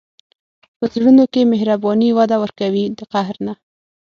په زړونو کې مهرباني وده ورکوي، د قهر نه.